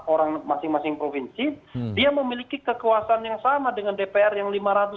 orang masing masing provinsi dia memiliki kekuasaan yang sama dengan dpr yang lima ratus